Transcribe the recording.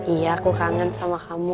iya aku kangen sama kamu